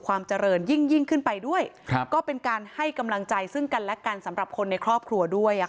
ความเจริญยิ่งขึ้นไปด้วยก็เป็นการให้กำลังใจซึ่งกันและกันสำหรับคนในครอบครัวด้วย